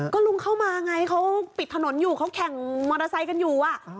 ก็ลุงเข้ามาไงเขาปิดถนนอยู่เขาแข่งมอเตอร์ไซค์กันอยู่